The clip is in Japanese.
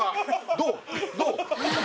どう？